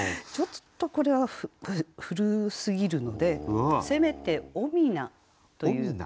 ちょっとこれは古すぎるのでせめて「おみな」という。